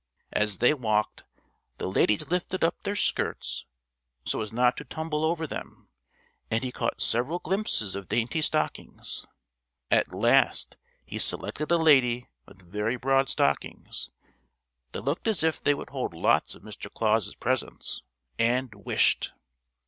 As they walked the ladies lifted up their skirts so as not to tumble over them, and he caught several glimpses of dainty stockings. At last he selected a lady with very broad stockings, that looked as if they would hold lots of Mr. Claus's presents, and wished.